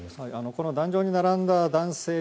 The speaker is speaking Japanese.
この壇上に並んだ男性